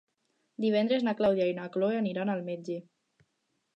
Divendres na Clàudia i na Cloè aniran al metge.